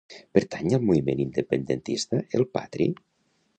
Pertany al moviment independentista el Patri?